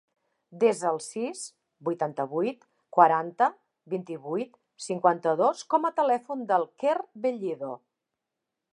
Desa el sis, vuitanta-vuit, quaranta, vint-i-vuit, cinquanta-dos com a telèfon del Quer Bellido.